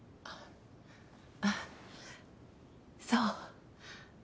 ああそう？